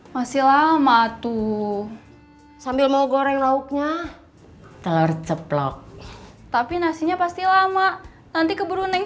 masih lama tuh sambil mau goreng lauknya telur ceplok tapi nasinya pasti lama nanti keburu naik